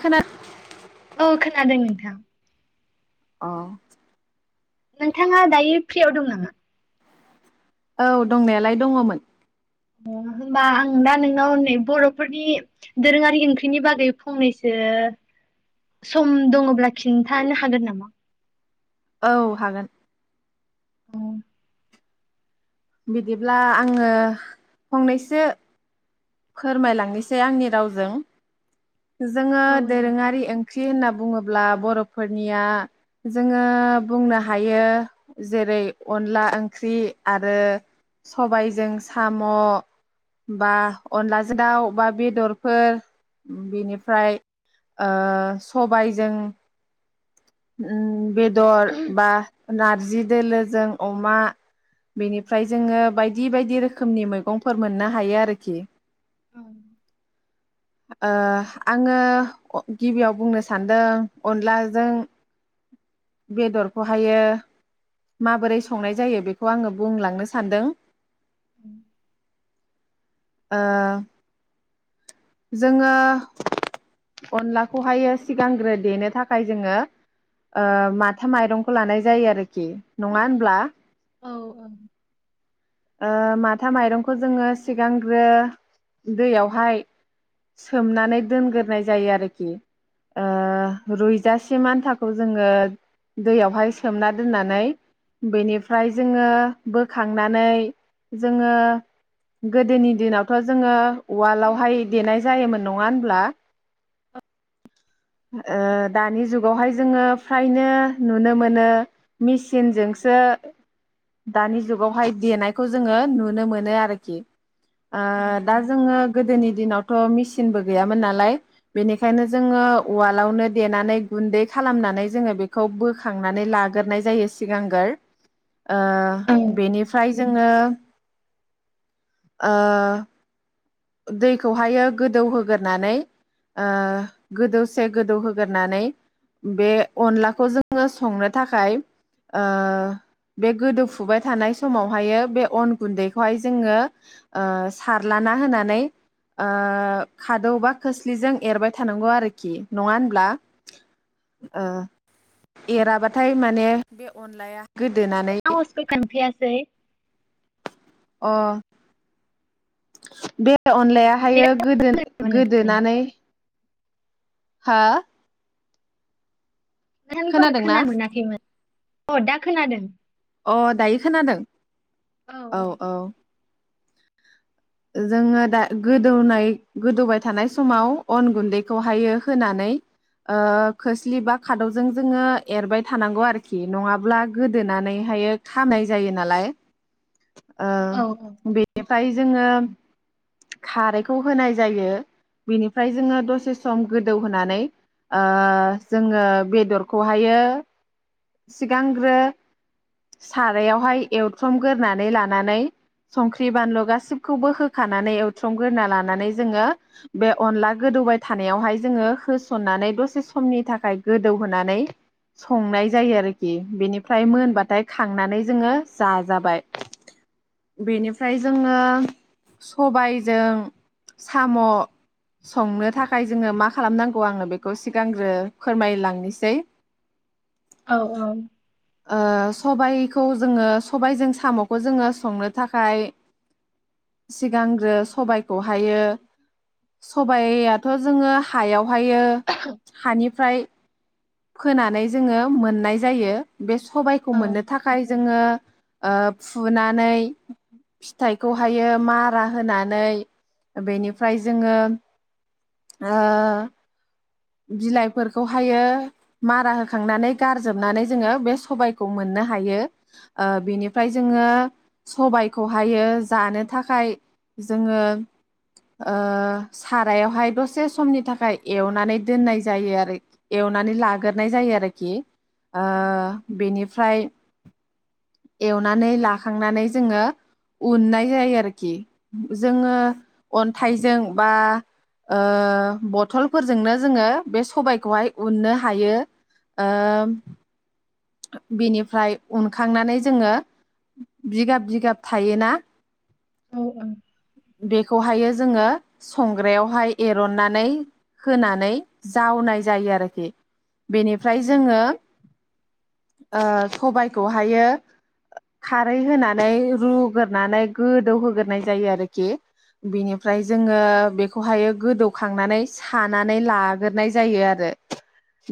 खोना [unintelligible] नोंथां अ नोंथाङा दायो फ्रियाव दं नामा? औ दंनायालाय दङमोन। होनबा आं बर'फोरनि दोरोङारि ओंख्रिनि बागै फंनैसो सम दङब्ला खिनथानो हागोन नामा? औ हागोन। [unintelligible] बिदिब्ला आङो फंनैसो फोरमायलांनोसै आंनि रावजों। जोङो औ नोंथां दोरोङारि ओंख्रि होनना बुङोब्ला बर'फोरनिया जोङो बुंनो हायो जेरै अनला ओंख्रि आरो सबायजों साम' बा अनलाजों दाउ बा बेदरफोर बेनिफ्राय ओ सबायजों ओम बे दर बा नारजि दोलोजों अमा बेनिफ्राय जोङो बायदि बायदि रोखोमनि मैगंफोर मोननो हायो आरोखि। ओम। ओ आङो गिबियाव बुंनो सान्दों अनलाजों बेदरखौहायो माबोरै संनाय जायो बेखौ आङो बुंलांनो सानदों। उम। ओ जोङो अनलाखौहायो सिगांग्रो देनो थाखाय जोङो ओ माथा माइरंखौ लानाय जायो आरोखि नङा होनब्ला। औ औ। ओ माथा माइरंखौ जोङो सिगांग्रो दैयावहाय सोमनानै दोनग्रोनाय जायो आरोखि ओ रुइजासे आन्थाखौ जोङो दैयावहाय सोमना दोननानै बेनिफ्राय जोङो बोखांनानै जोङो गोदोनि दिनावथ' जोङो उवालावहाय देनाय जायोमोन। नङा होनब्ला दानि ओ जुगावहाय जोङो फ्रायनो नुनो मोनो मिचिनजोंसो दानि जुगावहाय देनाय खौ जोङो नुनो मोनो आरोखि। ओ दा जोङो गोदोनि दिनाव थ' मेचिनबो गैयामोन नालाय बेनिखायनो जोङो उवालावनो देनानै गुन्दै खालामनानै जोङो बेखौ बोखांनानै लाग्रोनाय जायो सिगांग्रोर। ओ औ बेनिफाय ओ ओ दैखौहायो गोदौहोगोरनानै ओ गोदौसे गोदौहोगोरनानै बे अनलाखौ जोङो संनो थाखाय ओ बे गोदौफुबाय थानाय समावहायो बे अन गुन्दैखौहाय जोङो ओ सारलाना होना नानै ओ खादौ बा खोस्लिजों एरबाय थानांगौ आरोखि नङा होनब्ला एराबाथाय माने बे अनलाया गोदोनानै [unintelligible] अ बे नेट अनलायाहायो गोदो नाङाखै नामा नोंथां गोदोनानै हा? नोंथांखौ आं खोनादोंना खोनानो मोनाखैमोन अ दा खोनादों। अ दायो खोनादों। औ औ। जोङो दा गोदौनाय गोदौबाय थानाय समाव अन गुन्दैखौहायो होनानै ओ खोस्लि बा खादौजों जोङो एरबाय थानांगौ आरोखि नङाब्ला गोदोनानैहायो खानाय जायो नालाय। औ ओ बे फाय जोङो खारैखौ होनाय जायो बेनिफ्राय जोङो दसे सम गोदौहोनानै ओ जोङो बेदरखौहायो सिगांग्रो सारायावहाय एवथ्रमगोरनानै लानानै संख्रि बानलु गासिबो खौबो होखानानै एवथ्रमग्रोना लानानै जोङो बे अनला गोदौबाय थानायावहाय जोङो होसननानै दसे समनि थाखाय गोदौहोनानै संनाय जायो आरोखि बेनिफ्राय मोनबाथाय खांनानै जोङो जाजाबाय बेनिफ्राय जोङो सबायजों साम' संनो थाखाय जोङो मा खालामनांगौ आङो बेखौ सिगांग्रो फोरमायलांनोसै। औ औ। ओ सबायखौ जोङो सबायजों साम'खौ जोङो संनो थाखाय सिगांग्रो सबाइखौ हायो सबायआथ' जोङो हायाव बेवहायो हानिफ्राय फोनानै जोङो मोननाय जायो। बे सबायखौ औ मोननो थाखाय जोङो ओ फुनानै फिथाइखौहा खायो मारा होनानै बेनिफ्राय जोङो ओ बिलाइफोरखौ हायो मारा होखांनानै गारजोबनानै जोङो बे सबायखौ मोननो हायो। बेनिफ्राय जोङो सबायखौहायो जानो थाखाय जोङो ओ सारायावहाय दसे समनि थाखाय एवनानै दोननाय जायो आरो एवनानै लाग्रोनाय जायो आरोखि। ओ बेनिफ्राय एवनानै लाखांनानै जोङो उननाय जायो आरोखि जोङो अन्थाइजों बा ओ बथलफोरजोंनो जोङो बे सबायाइखौहाय उननो हायो ओ बेनिफ्राय उनखांनानै जोङो बिगाब बिगाब थायोना। बेखौहायो जोङो संग्रायावहाय एर'ननानै होनानै जावनाय जायो आरोखि। बेनिफ्राय जोङो ओ सबायाइखौहायो खारै होनानै रुग्रोनानै गोदौहोगोरनाय जायो आरोखि बेनिफ्राय जोङो बेखौहायो गोदौखांनानै सानानै लागोरनाय जायो आरो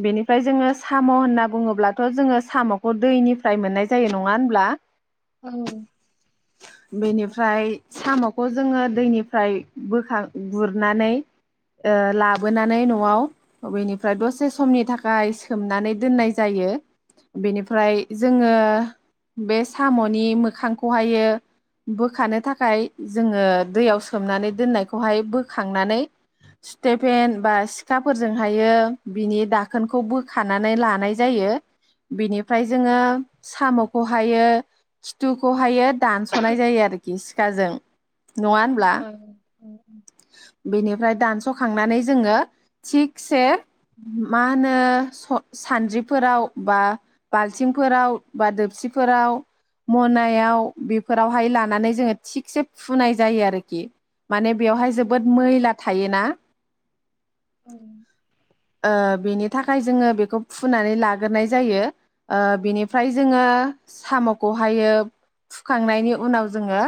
बेनिफ्राय जोङो साम' होनना बुङोब्ला थ' जोङो साम'खौ दैनिफ्राय मोननाय जायो नङा होनब्ला। औ बेनिफ्राय साम'खौ जोङो दैनिफ्राय बोखां गुरनानै ओ लाबोनानै न'आव बेनिफ्राय दसे समनि थाखाय सोमनानै दोननाय जायो। बेनिफ्राय जोङो बे साम'नि मोखांखौहायो बोखानो थाखाय जोङो दैयाव सोमनानै दोननायखौहाय बोखांनानै सटेफेन बा सिखाफोरजोंहायो बिनि दाखोनखौ बोखानानै लानाय जायो। बिनि फ्राय जोङो साम'खौ हायो खिथुखौ हायो औ दानस'नाय जायो आरोखि सिखाजों। नङा होनब्ला औ बेनिफ्राय दानस खांनानै जोङो थिगसे मा होनो स सानद्रिफोराव बा बाल्थिंफोराव बा दोबसिफोराव मनायाव बेफोरावहाय लानानै जोङो थिगसे फुनाय जायो आरोखि माने बेवहाय जोबोद मैला थायोना ओ बेनि थाखाय जोङो बेखौ फुनानै ला गोरनाय जायो ओ बिनिफ्राय जोङो। साम'खौहायो फुखांनायनि उनाव जोङो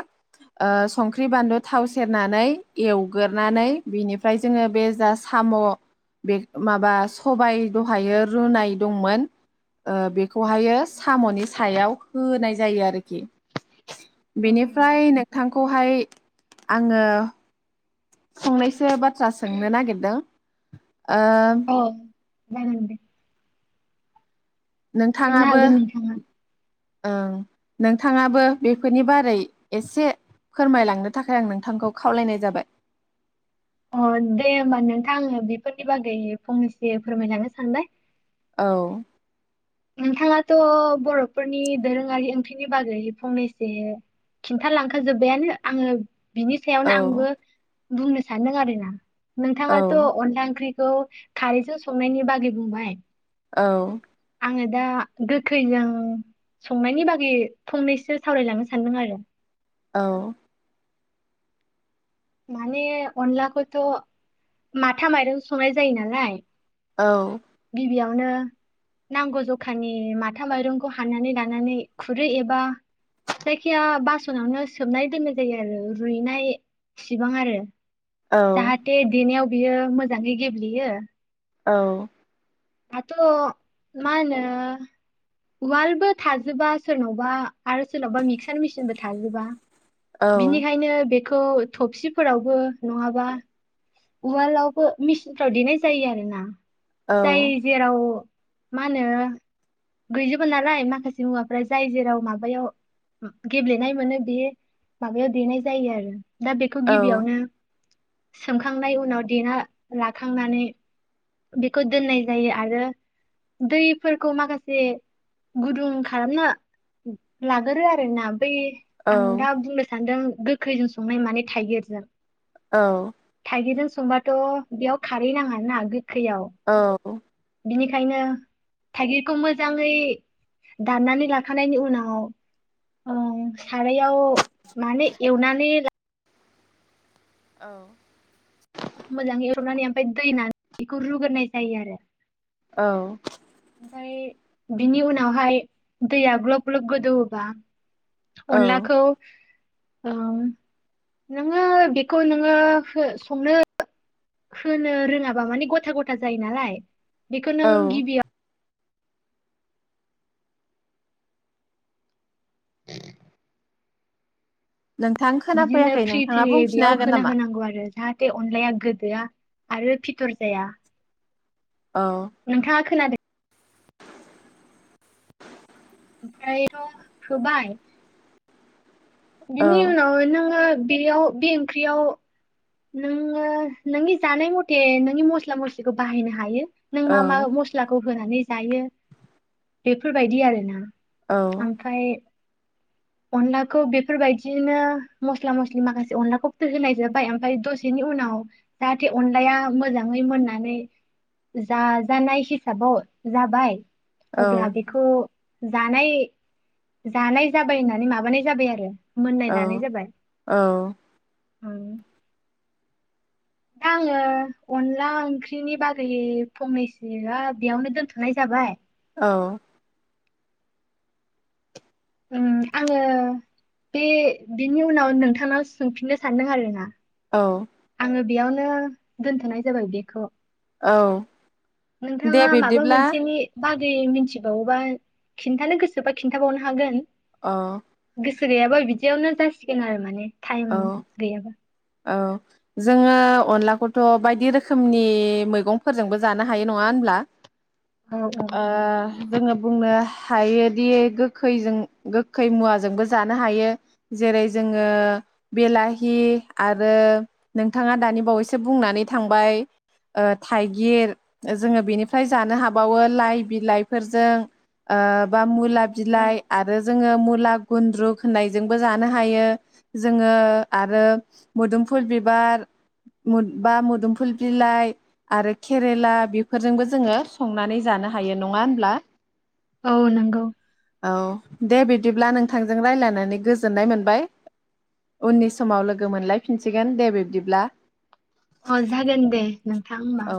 संख्रि बानलु थाव सेरनानै एवगोरनानै बिनिफ्राय जोङो बे जा साम' बे माबा सबाय दहायो रुनाय दंमोन। ओ बेखौहायो साम'नि सायाव होनाय जायो आरोखि। बेनिफ्राय नोंथांखौहाय आङो फंनैसो बा थ्रा सोंनो नागिरदों। [inaudible] ओम जागोन दे। सोंनो नोंथाङाबो हागोन नोंथाङा। ओं नोंथाङाबो बेफोरनि बारै एसे फोरमायलांनो थाखाय आं नोंथांखौ खावलायनाय जाबाय? अ दे होमबा नोंथां बेफोरनि बागै फंनैस फोरमायलांनो सानबाय। औ नोंथाङाथ' बर'फोरनि दोरोङारि ओंख्रिनि बागै फंनैसो खिन्थालांखाजोबबायानो आङो बिनि औ सायावनो आंबो बुंनो सानदों आरोना। औ नोंथाङाथ' अनला ओंख्रि बेखौ खारैजों संनायनि बागै बुंबाय। औ। आङो दा गोखैजों संनायनि बागै फंनैसो सावरायलांनो सानदों आरो। औ। माने अनलाखौथ' माथा माइरं संनाय जायो नालाय औ। गिबियावनो नांगौ जखानि माथा माइरंखौ हानानानै लानानै खुरै एबा जायखिया बासनावनो सोबनाय दोननाय जायो आरो रुइनाय सेबां आरो। औ जाहाथे देनायाव बियो मोजाङै गेब्लेयो औ। आथ' मा होनो? उवालबो थाजोबा सोरनावबा आरो सोरनावबा मिक्सार मेसिनबो थाजोबा। बिनिखायनो बे खौ थबसिफोरावबो नङाबा उलावबो मिसिनफ्राव देनाय जायो आरो ना। औ जाय औ जेराव मा होनो गैजोबा नालाय माखासे मुवाफ्रा जाय जेराव माबायाव गेब्लेनाय मोनो बे माबायाव देनाय जायो आरो। दा बेखौ औ गिबियावनो सोम खांनाय उनाव देना लाखांनानै बेखौ दोननाय जायो आरो दैफोरखौ माखासे गुदुं खालामनो लागोरो आरोना। बै आं दा बुंनो सानदों गोखैजों संनाय माने थाइगिरजों औ। थाइगिरजों संबाथ बेयाव खारै नाङा ना बिब औ। बिनिखायनो थाइगिरखौ मोजाङै दाननानै लाखानायनि उनाव ओह सारायाव माने एवनानै ला औ। मोजाङै एरनानै ओमफ्राय दै होनानै बेखौ रुग्रोनाय जायो आरो। औ। ओमफ्राय बिनि उनावहाय दैया ग्लब ग्लब गोदौवोबा अनलाखौ औ नोङो बेखौ नोङो संनो होनो रोङाबा माने गथा गथा जायो नालाय बेखौ औ नों गिबिया नोंथां बिदिनो खोनाफैयाखै फ्रि नोंथाङा फ्रि बुंफिननो बेयाव हागोन होना नामा? होनांगौ आरो जाहाथ थे अनलाया गोदोआ आरो फिथर जाया। औ नोंथाङा खोनादों ओमफ्रायथ होबाय औ बिनि उनाव नोङो बेयाव बे ओंख्रियाव नोङो नोंनि जानाय मथे नोंनि मस्ला मस्लिखौ बाहायनो हायो। नों औ मा मा मस्लाखौ होनानै जायो बेफोरबायदि आरो ना। औ ओमफ्राय अनलाखौ बेफोरबायदिनो मस्ला मस्लि माखासे अनलाखौथ होनाय जाबाय ओमफ ओमफ्राय दसेनि उनाव जाहाथे अनलाया मोजाङै मोननानै जाजानाय हिसाबाव जाबाय औ अब्ला बेखौ जानाय जानाय जाबाय होननानै माबानाय जाबाय आरो। मोननाय औ लानाय जाबाय। उम आङो अनला ओंख्रिनि बागै फंनैसोआ बेयावनो दोनथ'नाय जाबाय औ आङो बे बिनि उनाव नोंथांनाव सोंफिननो सानदों आरो ना औ ओ बेयावनो दोनथ'नाय जाबाय बेखौ औ दे नोंथाङा माबा बिब्दिब्ला मोनसेनि बा मिथिबावोबा खिन्थानो गोसोबा खिन्थाबावनो हागोन अह गोसो गैयाबा बिदियावनो जासिगोन आरो माने औ टाइम गैयाबा औ जोङो अनलाखौथ' बायदि रोखोमनि मैगंफोरजोंबो जानो हायो नङा होनब्ला औ औ ओ जोङो बुंनो हायोदि गोखैजों गोखै मुवाजोंबो जानो हायो जेरै जोङो बेलाहि आरो नोंथाङा दानि बावैसो बुंनानै थांबाय थाइगिर जोङो बेनिफ्राय जानो हाबावो लाइ बिलाइफोरजों बा मुला औ बिलाइ आरो जोङो मुला गुन्द्रु होननायजोंबो जानो हायो ओ आरो मुदुम फुल बिबार बा मोदुमफुल बिलाइ आरो केरेला बेफोरजोंबो जोङो संनानै जानो हायो नङा होनब्ला औ नंगौ औ दे बिदिब्ला नोंथांजों रायज्लायनानै गोजोननाय मोनबाय उननि समाव लोगो मोनलायफिनसिगोन दे बिब्दिब्ला अ जागोन दे नोंथां मा औ